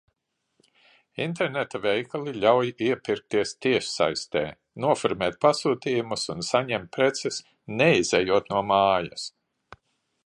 Interneta veikali ļauj iepirkties tiešsaistē, noformēt pasūtījumus un saņemt preces, neizejot no mājas.